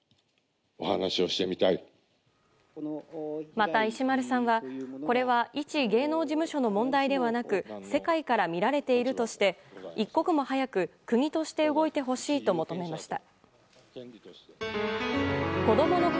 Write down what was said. また、石丸さんは、これは一芸能事務所の問題ではなく世界から見られているとして一刻も早く国として動いてほしいと求めました。